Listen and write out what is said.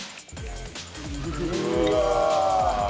うわ！